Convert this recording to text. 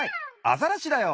アザラシだよ。